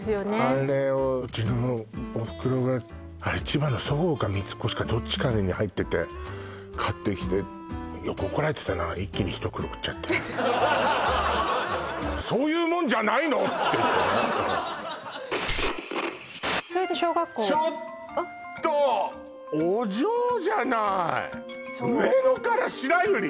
あれをうちのおふくろがあれ千葉のそごうか三越かどっちかに入ってて買ってきてよく怒られてたな一気に１袋食っちゃってそれで小学校ちょっとお嬢じゃない上野から白百合！？